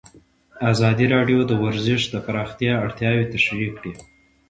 ازادي راډیو د ورزش د پراختیا اړتیاوې تشریح کړي.